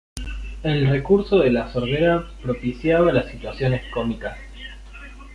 El recurso de la sordera propiciaba las situaciones cómicas.